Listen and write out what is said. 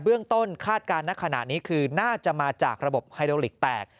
เรื่องต้นคาดการณ์ณขณะนี้คือน่าจะมาจากระบบไฮโลลิกแตก